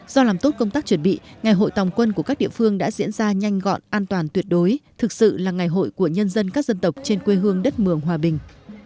do làm tốt công tác chuẩn bị ngày hội tòng quân của các địa phương đã diễn ra nhanh gọn an toàn tuyệt đối thực sự là ngày hội của nhân dân các dân tộc trên quê hương đất mường hòa bình